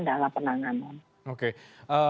dalam penanganan oke